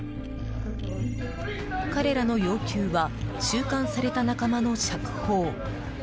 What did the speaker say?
彼らの要求は収監された仲間の釈放。